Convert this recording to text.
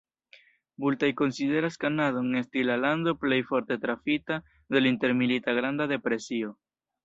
Multaj konsideras Kanadon esti la lando plej forte trafita de la intermilita Granda depresio.